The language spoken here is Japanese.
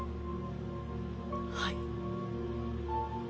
はい。